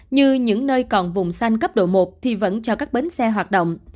như những nơi còn vùng xanh cấp độ một thì vẫn cho các bến xe hoạt động